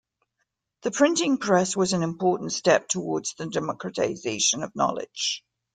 The printing press was an important step towards the democratization of knowledge.